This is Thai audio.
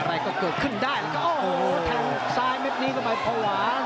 อะไรก็เกิดขึ้นได้โอ้โหแทงซ้ายเม็ดนี้เข้าไปพอหวา